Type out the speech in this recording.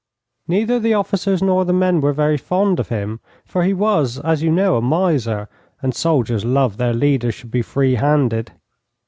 Neither the officers nor the men were very fond of him, for he was, as you know, a miser, and soldiers love that their leaders should be free handed.